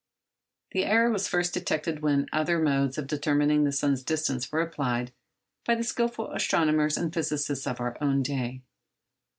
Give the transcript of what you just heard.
The error was first detected when other modes of determining the sun's distance were applied by the skilful astronomers and physicists of our own day.